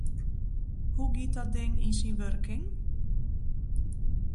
Hoe giet dat ding yn syn wurking?